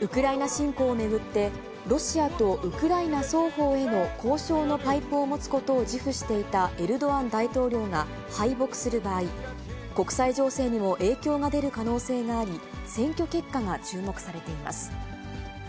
ウクライナ侵攻を巡って、ロシアとウクライナ双方への交渉のパイプを持つことを自負していたエルドアン大統領が敗北する場合、国際情勢にも影響が出る可能性があり、選挙結果が注目されています。